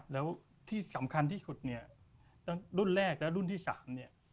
และที่สำคัญที่สุดรุ่นแรกและรุ่นที่สาม